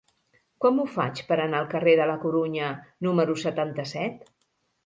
Com ho faig per anar al carrer de la Corunya número setanta-set?